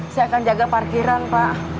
saya akan jaga parkiran pak